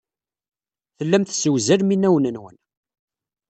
Tellam tessewzalem inawen-nwen.